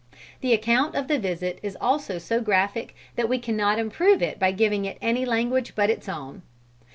The account of the visit is also so graphic that we cannot improve it by giving it in any language but his own.